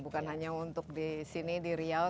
bukan hanya untuk disini di riau